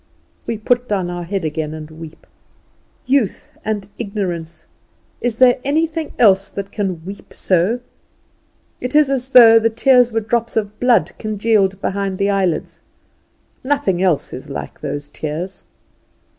We put down our head again and weep. Youth and ignorance; is there anything else that can weep so? It is as though the tears were drops of blood congealed beneath the eyelids; nothing else is like those tears.